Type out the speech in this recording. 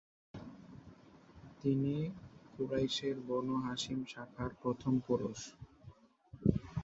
তিনি কুরাইশের Banu Hashim শাখার প্রথম পুরুষ।